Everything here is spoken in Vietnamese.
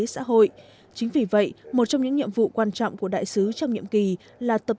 xã hội chính vì vậy một trong những nhiệm vụ quan trọng của đại sứ trong nhiệm kỳ là tập